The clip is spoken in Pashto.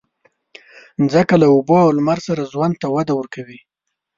مځکه له اوبو او لمر سره ژوند ته وده ورکوي.